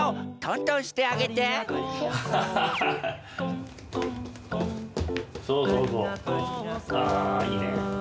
あいいね。